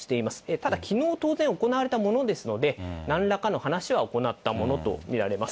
ただ、きのう、当然、行われたものですので、なんらかの話は行ったものと見られます。